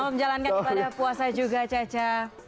selamat menjalankan ibadah puasa juga caca